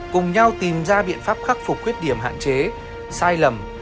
cùng nhau tìm ra biện pháp khắc phục khuyết điểm hạn chế sai lầm